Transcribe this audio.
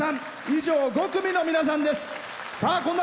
以上５組の皆さんです。